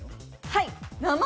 はい。